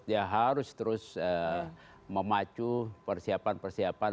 ya harus terus memacu persiapan persiapan